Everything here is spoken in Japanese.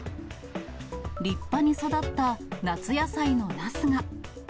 立派に育った夏野菜のナスが。